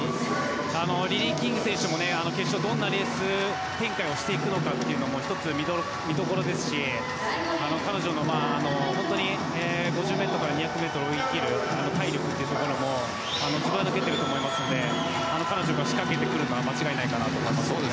リリー・キング選手も決勝でどんなレース展開をしていくのかというのも１つ見どころですし彼女、本当に５０ｍから２００ｍを泳ぎきる体力というところもずば抜けていると思いますので彼女が仕掛けてくるのは間違いないと思います。